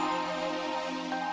acara yang terkenal